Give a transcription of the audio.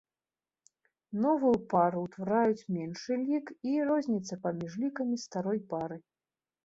Новую пару ўтвараюць меншы лік і розніца паміж лікамі старой пары.